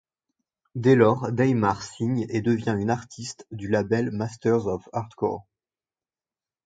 Dès lors, Day Mar signe et devient une artiste du label Masters of Hardcore.